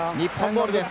日本ボールです。